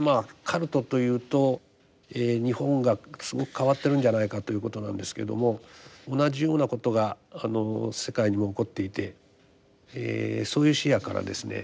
カルトというと日本がすごく変わってるんじゃないかということなんですけども同じようなことが世界にも起こっていてそういう視野からですね